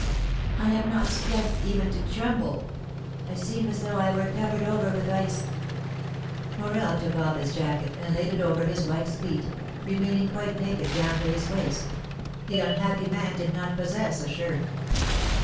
"I have not strength even to tremble, I seem as though I were covered over with ice." Morel took off his jacket, and laid it over his wife's feet, remaining quite naked down to his waist, the unhappy man did not possess a shirt.